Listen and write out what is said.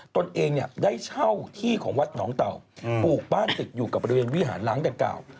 ตนเองได้เช่าที่ของวัดหนองเต่าปลูกบ้านติดอยู่กับบริเวณวิหารล้างดังกล่าว